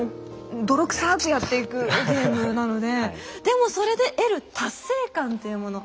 泥くさくやっていくゲームなのででもそれで得る達成感というもの